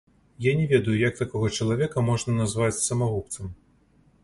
Я не ведаю, як такога чалавека можна назваць самагубцам.